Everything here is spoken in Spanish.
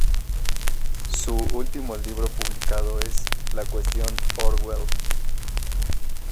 Su último libro publicado es "La cuestión Orwell".